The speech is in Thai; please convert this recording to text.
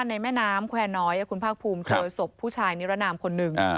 ในแม่น้ำแควร์น้อยคุณภาคภูมิเจอศพผู้ชายนิรนามคนหนึ่ง